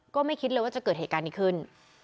ก็ไม่คิดเลยว่าจะเกิดเหตุการณ์นี้ขึ้น